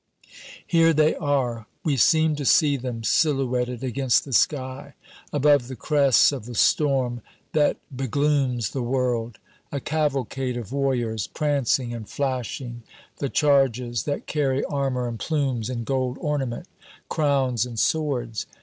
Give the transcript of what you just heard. Here they are. We seem to see them silhouetted against the sky, above the crests of the storm that beglooms the world a cavalcade of warriors, prancing and flashing, the charges that carry armor and plumes and gold ornament, crowns and swords.